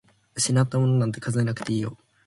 失ったものなんて数えなくていいよ。